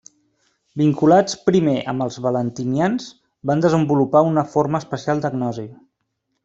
Vinculats primer amb els valentinians, van desenvolupar una forma especial de gnosi.